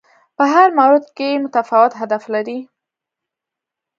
په هر مورد کې متفاوت هدف لري